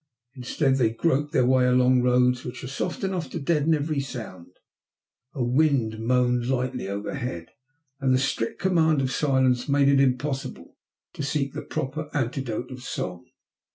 Instead they groped their way along roads which were soft enough to deaden every sound. A wind moaned lightly overhead and the strict command of silence made it impossible to seek the proper antidote of song.